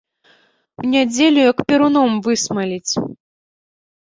У нядзелю, як перуном высмаліць.